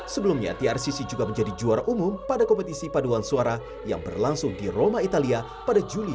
sebelumnya trcc juga menjadi juara umum pada kompetisi paduan suara yang berlangsung di roma italia pada juli dua ribu dua puluh